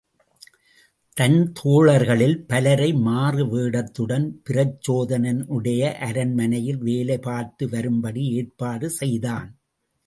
தன் தோழர்களில் பலரை மாறு வேடத்துடன் பிரச்சோதனனுடைய அரண்மனையில் வேலை பார்த்து வரும்படி ஏற்பாடு செய்தான்.